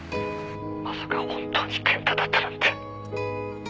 「まさか本当に健太だったなんて」